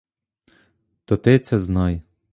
То ти це знай.